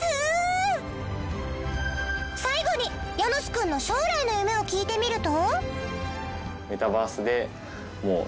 最後にヤノスくんの将来の夢を聞いてみると。